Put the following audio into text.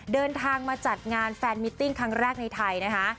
เดินทางมาจัดงานแฟนมิตติ้งครั้งแรกในไทยนะคะ